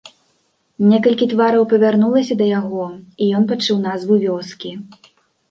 Некалькі твараў павярнулася да яго, і ён пачуў назву вёскі.